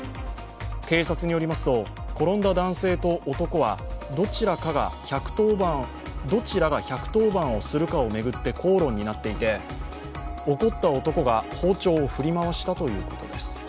警察によりますと転んだ男性と男はどちらが１１０番をするかを巡って口論になっていて怒った男が包丁を振り回したということです。